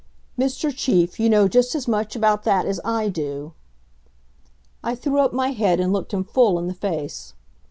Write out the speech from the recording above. "Mr. Chief, you know just as much about that as I do." I threw up my head and looked him full in the face.